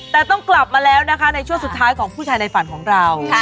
แต่ต้องกลับมาแล้วนะคะในช่วงสุดท้ายของผู้ชายในฝันของเรา